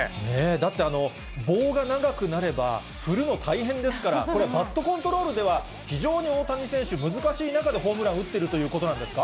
だって、棒が長くなれば、振るの大変ですから、これ、バットコントロールでは、非常に大谷選手、難しい中でホームランを打ってるということなんですか。